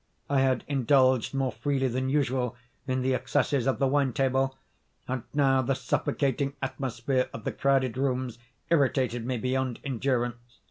I had indulged more freely than usual in the excesses of the wine table; and now the suffocating atmosphere of the crowded rooms irritated me beyond endurance.